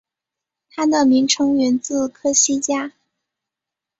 它的名称源自科西嘉。